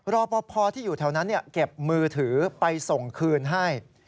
รอปภที่อยู่แถวนั้นเก็บมือถือไปส่งคืนให้